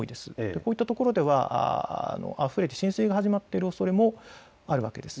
こういったところではあふれて浸水が始まっているおそれもあるわけです。